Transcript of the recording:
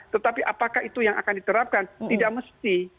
tetapi apakah itu yang akan diterapkan tidak mesti